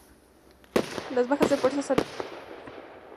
Las bajas de las fuerzas sitiadas fueron mayores.